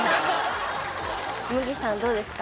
麦さんどうですか？